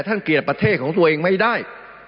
เกลียดประเทศของตัวเองไม่ได้